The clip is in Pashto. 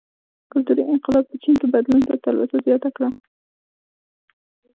کلتوري انقلاب په چین کې بدلون ته تلوسه زیاته کړه.